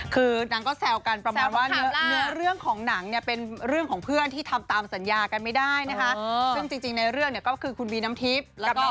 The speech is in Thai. คือเนื้อเรื่องของหนังนี่เป็นเรื่องของเพื่อนที่ทำตามสัญญากันไม่ได้นะครับ